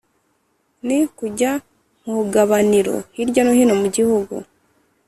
ni kujya mpugabanira hirya no hino mu gihugu